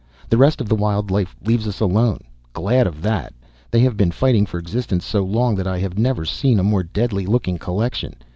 The rest of the wild life leaves us alone. Glad of that! They have been fighting for existence so long that I have never seen a more deadly looking collection.